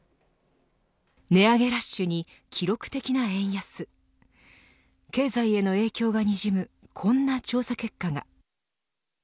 値上げラッシュに記録的な円安経済への影響がにじむこんな調査結果が。